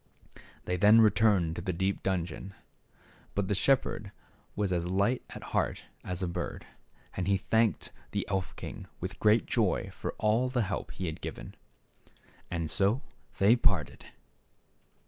They then returned to the deep dungeon. But the shepherd was as light at heart as a bird, and he thanked the elf king with great joy for all the help he had given him. And so they parted.